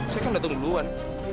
saya kan datang duluan